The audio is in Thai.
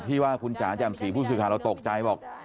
ที่ว่าคุณจ๋าจ่ำสี่ผู้สื่อคาเราตกใจบอก